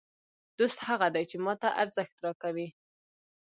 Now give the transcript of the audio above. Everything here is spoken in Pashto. دوست هغه دئ، چي ما ته ارزښت راکوي.